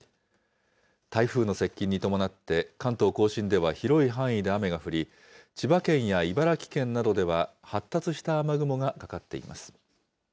台風の接近に伴って、関東甲信では広い範囲で雨が降り、千葉県や茨城県などでは発達した雨雲がかかっています。